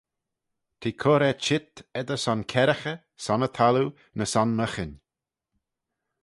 T'eh cur er cheet, edyr son kerraghey, son y thalloo, ny son myghin.